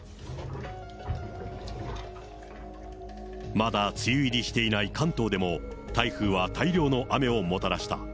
まだ梅雨入りしていない関東でも、台風は大量の雨をもたらした。